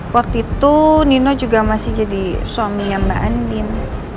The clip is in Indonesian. waktu itu nino juga masih jadi suaminya mbak andin